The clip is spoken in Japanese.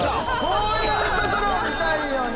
こういうところを見たいよね！